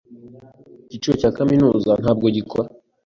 icyiciro cya kaminuza ntabwo kigora